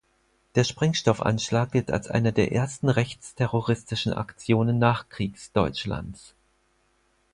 Der Sprengstoffanschlag gilt als einer der ersten rechtsterroristischen Aktionen Nachkriegsdeutschlands.